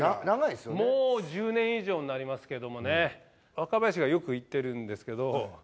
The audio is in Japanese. もう１０年以上になりますけどもね。がよく言ってるんですけど。